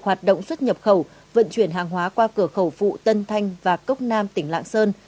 hoạt động xuất nhập khẩu vận chuyển hàng hóa qua cửa khẩu phụ tân thanh và cốc nam tỉnh lạng sơn